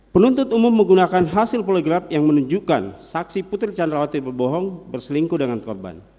penuntut umum menggunakan hasil poligraf yang menunjukkan saksi putri candrawati berbohong berselingkuh dengan korban